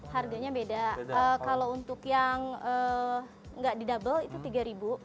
harganya beda kalau untuk yang nggak di double itu rp tiga